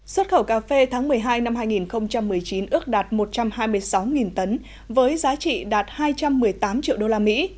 xuất khẩu cà phê tháng một mươi hai năm hai nghìn một mươi chín ước đạt một trăm hai mươi sáu tấn với giá trị đạt hai trăm một mươi tám triệu đô la mỹ